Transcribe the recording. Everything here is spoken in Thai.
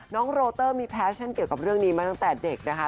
น้องโรเตอร์มีแฟชั่นเกี่ยวกับเรื่องนี้มาตั้งแต่เด็กนะคะ